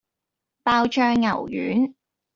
爆醬牛丸